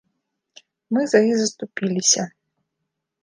Мы за іх заступіліся.